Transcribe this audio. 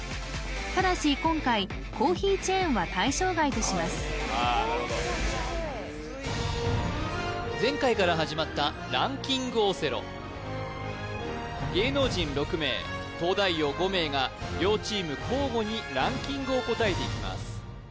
ただし今回コーヒーチェーンは対象外とします前回から始まったランキングオセロ芸能人６名東大王５名が両チーム交互にランキングを答えていきます